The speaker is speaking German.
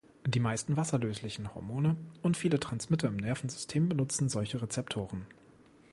Die meisten wasserlöslichen Hormone und viele Transmitter im Nervensystem benutzen solche Rezeptoren.